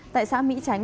tại xã mỹ tránh